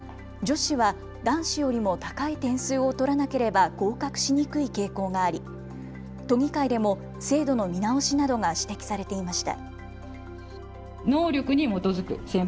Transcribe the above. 都立高校の全日制普通科の入試では女子は男子よりも高い点数を取らなければ合格しにくい傾向があり、都議会でも制度の見直しなどが指摘されていました。